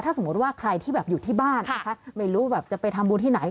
ถ้าสมมติว่าใครที่อยู่ที่บ้านไม่รู้จะไปทำบุญที่ไหน